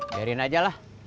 biarin aja lah